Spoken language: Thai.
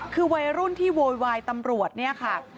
คือวัยรุ่นที่โวยวายตำรวจเนี่ยค่ะ